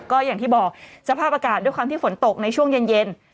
ก็อย่างที่บอกสภาพอากาศด้วยความที่ฝนตกในช่วงเย็น